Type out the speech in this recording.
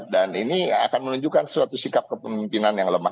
dan ini akan menunjukkan suatu sikap kepemimpinan yang lemah